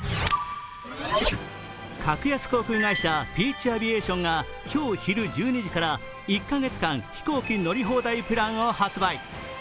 格安航空会社ピーチ・アビエーションが、今日昼１２時から１カ月間、飛行機乗り放題プランを発売。